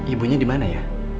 ibunya dimana ya